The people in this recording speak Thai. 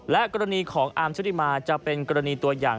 และกรณีของอาร์มชุติมาจะเป็นกรณีตัวอย่าง